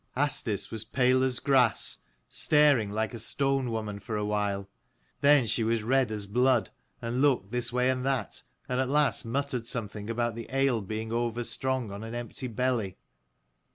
5 Asdis was pale as grass, staring like a stone woman for a while. Then she was red as blood, and looked this way and that, and at last muttered something about the ale being over strong on an empty belly.